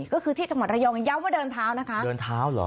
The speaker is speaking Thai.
ก็คือที่จังหวัดระยองย้ำว่าเดินเท้านะคะเดินเท้าเหรอ